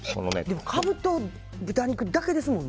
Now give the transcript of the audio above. カブと豚肉だけですもんね。